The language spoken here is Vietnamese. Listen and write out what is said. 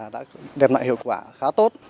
đã đem lại hiệu quả khá tốt